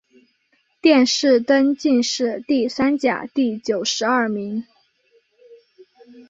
殿试登进士第三甲第九十二名。